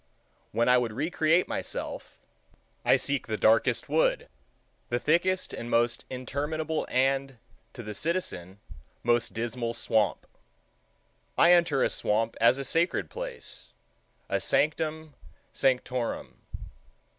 When I would recreate myself, I seek the darkest wood, the thickest and most interminable and, to the citizen, most dismal, swamp. I enter a swamp as a sacred place,—a sanctum sanctorum.